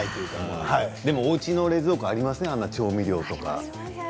でもおうちの冷蔵庫ありませんか調味料とか。